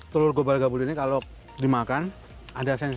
telur gobal gabul ini kalau dimakan ada sensasi